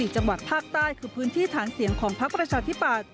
๔จังหวัดภาคใต้คือพื้นที่ฐานเสียงของพักประชาธิปัตย